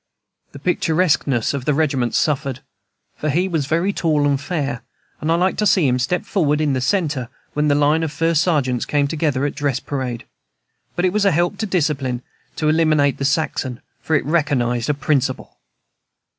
The picturesqueness of the regiment suffered, for he was very tall and fair, and I liked to see him step forward in the centre when the line of first sergeants came together at dress parade. But it was a help to discipline to eliminate the Saxon, for it recognized a principle.